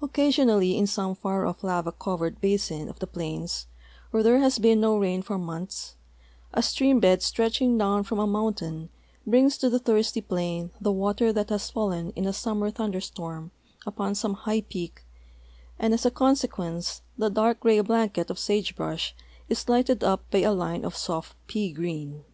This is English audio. Occasion ally in some far off lava covered basin of the plains, where there has been no rain for months, a stream bed stretching down from a mountain brings to the thirsty plain the water that has fallen in a summer thunder storm upon some high ))cak, and as a con sequence the dark gray blanket of sage brush is lighted up b}' a line of soft jjea green.